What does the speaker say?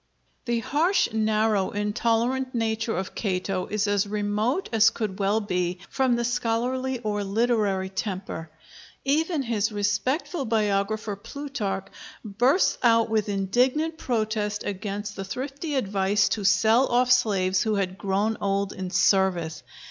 The harsh, narrow, intolerant nature of Cato is as remote as could well be from the scholarly or literary temper. Even his respectful biographer Plutarch bursts out with indignant protest against the thrifty advice to sell off slaves who had grown old in service.